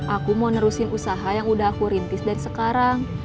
aku mau nerusin usaha yang udah aku rintis dari sekarang